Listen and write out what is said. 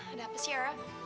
ada apa ciara